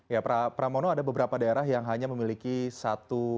ya pramono ada beberapa daerah yang hanya memiliki satu